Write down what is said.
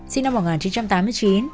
sinh năm một nghìn chín trăm tám mươi chín